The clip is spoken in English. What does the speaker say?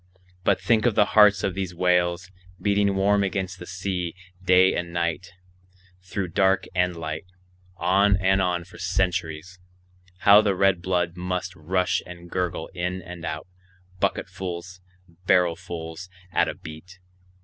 But think of the hearts of these whales, beating warm against the sea, day and night, through dark and light, on and on for centuries; how the red blood must rush and gurgle in and out, bucketfuls, barrelfuls at a beat!